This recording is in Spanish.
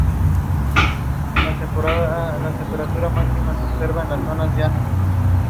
Tiene al día de hoy cuatro nietos Rodrigo, Santiago, Emiliano y Sebastián.